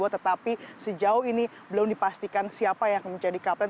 tetapi sejauh ini belum dipastikan siapa yang akan menjadi kapten